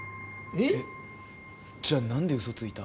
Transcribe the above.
えっじゃあなんで嘘ついた？